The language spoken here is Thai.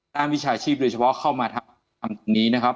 วิชาชีพโดยเฉพาะเข้ามาทำตรงนี้นะครับ